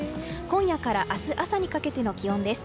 今夜から明日朝にかけての気温です。